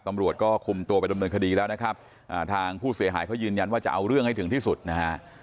ตำรวจก็คุมตัวไปดำเนินคดีแล้วนะครับทางผู้เสียหายเขายืนยันว่าจะเอาเรื่องให้ถึงที่สุดนะฮะ